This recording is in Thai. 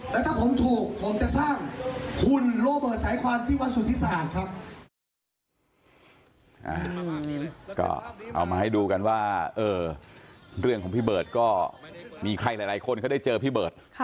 แล้วถ้าผมถูกผมจะสร้างคุณโรเบิร์ตสายความที่วัดสุธิสะอาดครับ